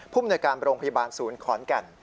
ผู้อนุญการโรงพยาบาลศูนย์ขรอนกัน